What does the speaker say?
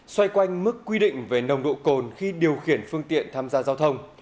xoay quanh mức quy định về nồng độ cồn khi điều khiển phương tiện tham gia giao thông